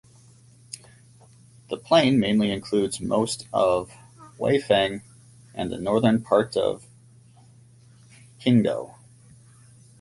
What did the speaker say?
The plain mainly includes most of Weifang and the northern part of Qingdao.